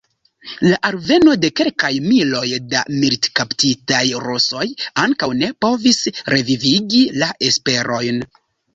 La alveno de kelkaj miloj da militkaptitaj rusoj ankaŭ ne povis revivigi la esperojn.